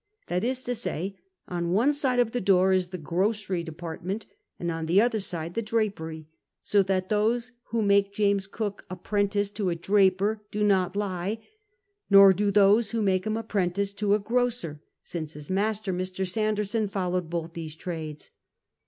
That is to say, on one side of the door is the gi'ocery dejiartmciit, and on the oth(jr the drapery ; so that those who make James f V)ok ajtju'entice to a draper do not lie, nor ilo tho.S(j whf) make him ajiprentice to a grocer, since his master, Mr. Sanderson, followed both these tiudes.